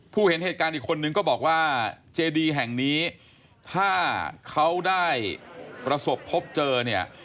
เห็นเหตุการณ์อีกคนนึงก็บอกว่าเจดีแห่งนี้ถ้าเขาได้ประสบพบเจอเนี่ย